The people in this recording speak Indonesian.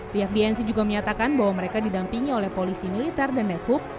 pihak bnc juga menyatakan bahwa mereka didampingi oleh polisi militer dan dekuk